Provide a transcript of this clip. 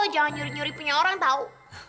jangan nyuri nyuri punya orang tahu